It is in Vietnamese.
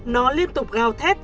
nó liên tục gào thét